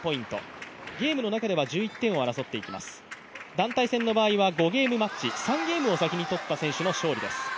団体戦の場合は５ゲームマッチ、３ゲームを先に取った選手の勝利です。